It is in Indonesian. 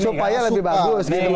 supaya lebih bagus